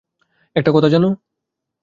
একটা কথা জানো?